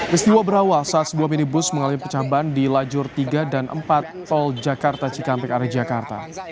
peristiwa berawal saat sebuah minibus mengalami pecah ban di lajur tiga dan empat tol jakarta cikampek arah jakarta